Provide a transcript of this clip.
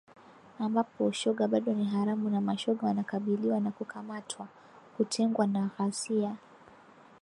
ambapo ushoga bado ni haramu na mashoga wanakabiliwa na kukamatwa, kutengwa na ghasia.